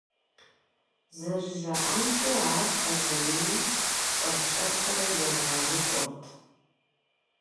Зэрыжаӏэмкӏэ, ар Хъэзэрейм щӏэх-щӏэхыурэ ебгъэрыкӏуэрт.